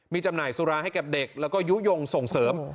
มีจำหน่ายสุราให้กับเด็กแล้วก็ยุโยงส่งเสริม